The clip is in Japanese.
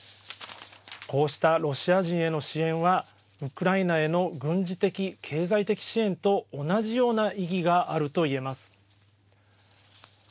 こうしたロシア人への支援はウクライナへの軍事的、経済的支援と同じような意義があると言えます。